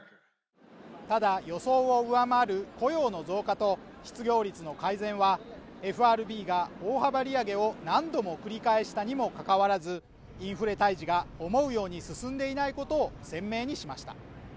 ただ、予想を上回る雇用の増加と失業率の改善はＦＲＢが大幅利上げを何度も繰り返したにもかかわらずインフレ退治が思うように進んでいないことを鮮明にしました。